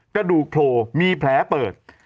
กระดูกโผล่มีแผลเปิด